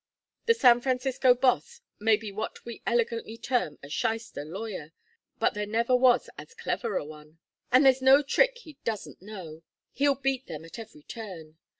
The San Francisco Boss may be what we elegantly term a shyster lawyer, but there never was as clever a one; and there's no trick he doesn't know. He'll beat them at every turn.